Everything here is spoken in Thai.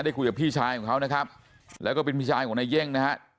คุยกับพี่ชายของเขานะครับแล้วก็เป็นพี่ชายของนายเย่งนะฮะ